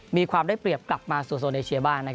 มีความได้เปรียบกลับมาสู่โซนเอเชียบ้าง